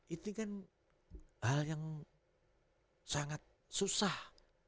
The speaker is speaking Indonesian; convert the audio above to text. itu kan hal yang sangat susah